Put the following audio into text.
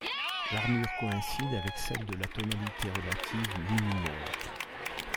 L'armure coïncide avec celle de la tonalité relative mi mineur.